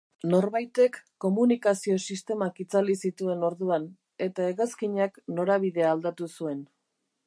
Norbaitek komunikazio sistemak itzali zituen orduan, eta hegazkinak norabidea aldatu zuen.